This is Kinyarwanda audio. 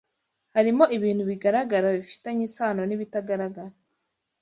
harimo ibintu bigaragara bifitanye isano n’ibitagaragara